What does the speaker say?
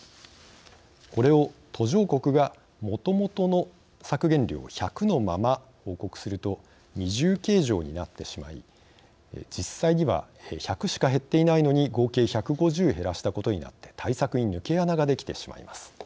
これを途上国がもともとの削減量１００のまま報告すると二重計上になってしまい実際には１００しか減っていないのに合計１５０減らしたことになって対策に抜け穴ができてしまいます。